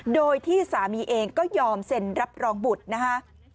โดยที่สามีเองก็ยอมเซ็นรับรองบุตรนะคะ